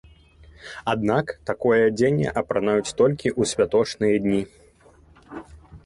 Аднак такое адзенне апранаюць толькі ў святочныя дні.